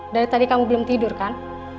dari tadi kamu belum tidur kan